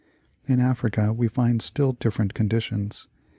In Africa we find still different conditions.